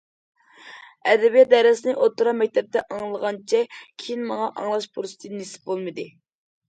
ئەدەبىيات دەرسىنى ئوتتۇرا مەكتەپتە ئاڭلىغانچە كېيىن ماڭا ئاڭلاش پۇرسىتى نېسىپ بولمىدى.